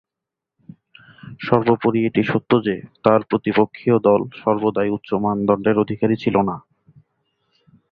সর্বোপরি এটি সত্য যে, তার প্রতিপক্ষীয় দল সর্বদাই উচ্চ মানদণ্ডের অধিকারী ছিল না।